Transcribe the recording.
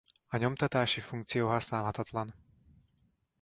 A nyomtatási funkció használhatatlan.